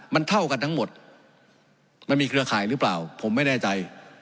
มันเท่ากันทั้งหมดมันมีเครือข่ายหรือเปล่าผมไม่แน่ใจ